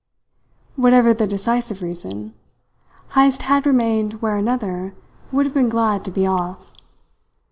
Whatever the decisive reason, Heyst had remained where another would have been glad to be off.